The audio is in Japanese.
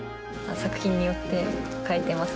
作品によって変えてます。